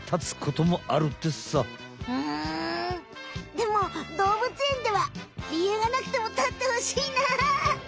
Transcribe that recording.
でもどうぶつえんではりゆうがなくても立ってほしいな！